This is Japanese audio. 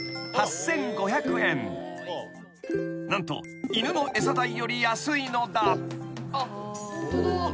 ［何と犬の餌代より安いのだ］